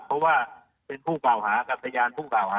เพราะว่าเป็นผู้กล่าวหากับพยานผู้กล่าวหา